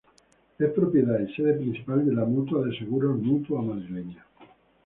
Es propiedad y sede principal de la mutua de seguros Mutua Madrileña.